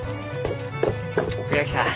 倉木さん